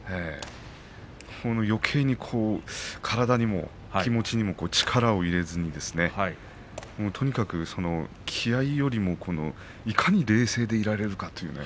よけいに、体にも気持ちにも力を入れずにとにかく気合いよりもいかに冷静でいられるか